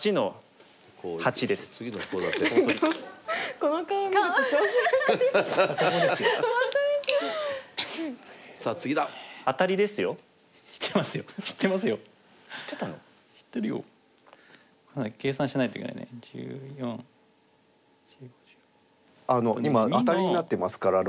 今アタリになってますから６目が。